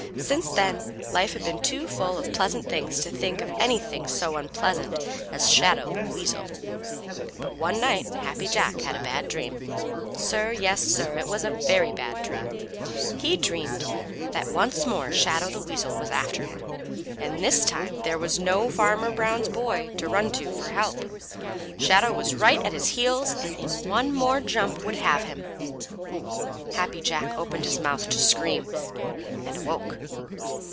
Since then life had been too full of pleasant things to think of anything so unpleasant as Shadow the Weasel. But one night Happy Jack had a bad dream. Yes, Sir, it was a very bad dream. He dreamed that once more Shadow the Weasel was after him, and this time there was no Farmer Brown's boy to run to for help. Shadow was right at his heels and in one more jump would have him. Happy Jack opened his mouth to scream, and awoke.